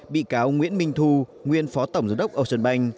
bị cáo nguyễn minh thu nguyên phó tổng giám đốc ocean bank